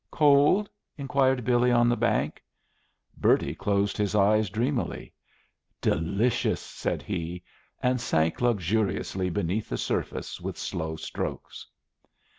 "Cold?" inquired Billy on the bank. Bertie closed his eyes dreamily. "Delicious," said he, and sank luxuriously beneath the surface with slow strokes.